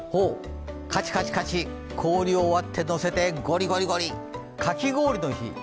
カチカチカチ、氷を割ってのせてゴリゴリゴリ、かき氷の日。